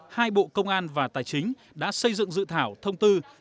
hai bộ công an và tài chính đã xây dựng dự thảo thông tư